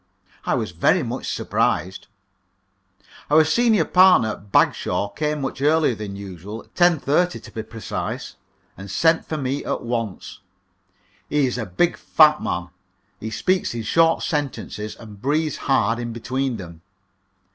I was very much surprised. Our senior partner, Mr. Bagshaw, came much earlier than usual, 10.30, to be precise, and sent for me at once. He is a big, fat man; he speaks in short sentences, and breathes hard in between them.